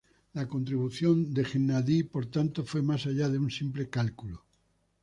La contribución de Gennadi, por tanto, fue más allá de un simple cálculo.